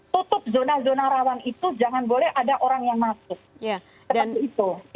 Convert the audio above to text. tutup zona zona rawan itu jangan boleh ada orang yang masuk seperti itu